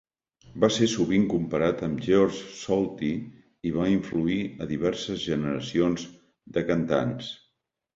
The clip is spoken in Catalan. Va ser sovint comparat amb Georg Solti i va influir a diverses generacions de cantants.